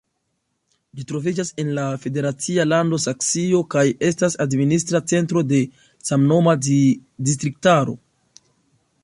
Ĝi troviĝas en la federacia lando Saksio kaj estas administra centro de samnoma distriktaro.